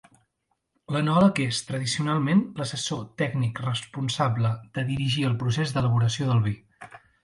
L'enòleg és, tradicionalment, l'assessor tècnic responsable de dirigir el procés d'elaboració del vi.